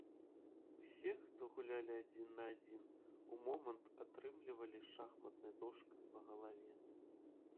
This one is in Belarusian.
Усе, хто гулялі адзін на адзін, у момант атрымлівалі шахматнай дошкай па галаве.